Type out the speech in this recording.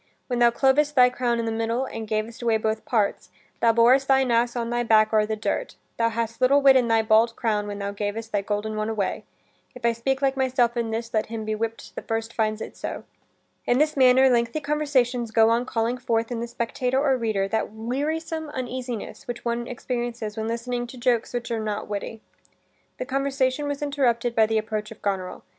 When thou clovest thy crown i' the middle, and gavest away both parts, thou borest thine ass on thy back o'er the dirt: thou hadst little wit in thy bald crown when thou gavest thy golden one away. If I speak like myself in this, let him be whipp'd that first finds it so." In this manner lengthy conversations go on calling forth in the spectator or reader that wearisome uneasiness which one experiences when listening to jokes which are not witty. This conversation was interrupted by the approach of Goneril.